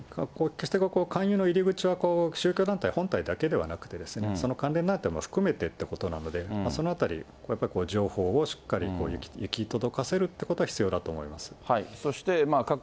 決して勧誘の入り口は、宗教団体本体だけではなくて、その関連団体も含めてということなので、そのあたり、やっぱり情報をしっかり行き届かせるということは必要だと思います。